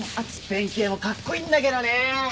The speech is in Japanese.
弁慶もかっこいいんだけどね。